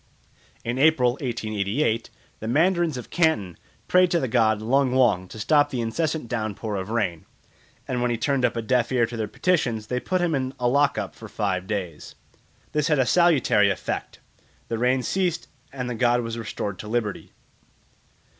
In April 1888 the mandarins of Canton prayed to the god Lung wong to stop the incessant downpour of rain; and when he turned a deaf ear to their petitions they put him in a lock up for five days. This had a salutary effect. The rain ceased and the god was restored to liberty.